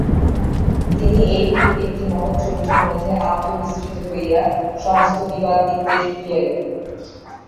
তিনি এইরূপ একটি মহৎ চরিত্রের মধ্যে আত্মবিস্মৃত হইয়া সমস্ত বিবাদ বিদ্বেষ ভুলিয়া গেলেন।